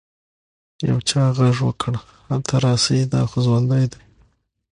يو چا ږغ وکړ هلته راسئ دا خو ژوندى دى.